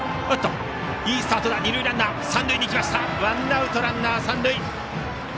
二塁ランナー三塁へ行きワンアウトランナー、三塁。